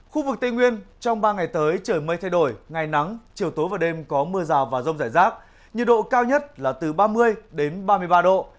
khu vực tây nguyên trong ba ngày tới trời mây thay đổi ngày nắng chiều tối và đêm có mưa rào và rông rải rác nhiệt độ cao nhất là từ ba mươi đến ba mươi ba độ